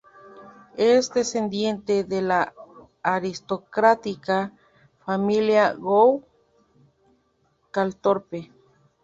Es descendiente de la aristocrática "Familia Gough-Calthorpe".